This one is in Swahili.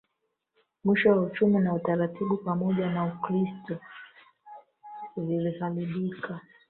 Mwishoni uchumi na utaratibu pamoja na Ukristo viliharibika